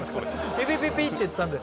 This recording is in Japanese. ピピピピっていったんで。